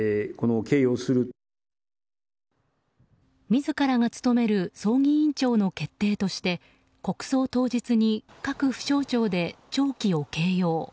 自らが務める葬儀委員長の決定として国葬当日に各府省庁で弔旗を掲揚。